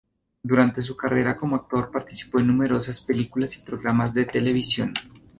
Durante su carrera como actor participó en numerosas películas y programas de televisión.